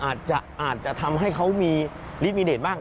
อาจจะทำให้เขามีลิมิเดตบ้าง